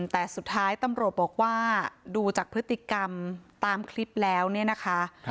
แต่สุดท้ายตำรวจบอกว่าดูจากพฤติกรรมตามคลิปแล้วเนี่ยนะคะ